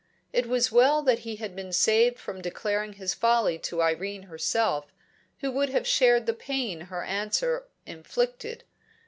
It was well that he had been saved from declaring his folly to Irene herself, who would have shared the pain her answer inflicted.